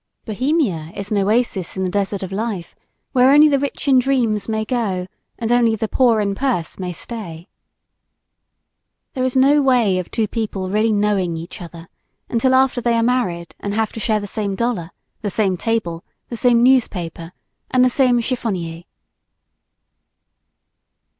Bohemia is an oasis in the desert of life where only the rich in dreams may go and only the poor in purse may stay. There is no way of two people really knowing each other until after they are married and have to share the same dollar, the same table, the same newspaper and the same chiffonier.